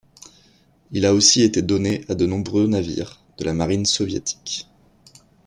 Il a aussi été donné à de nombreux navires de la marine soviétique.